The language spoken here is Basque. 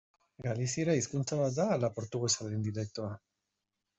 Galiziera hizkuntza bat da ala portugesaren dialektoa?